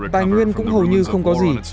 tài nguyên cũng hầu như không có gì